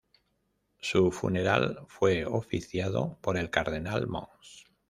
Su funeral fue oficiado por el cardenal Mons.